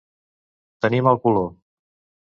Tenir mal color.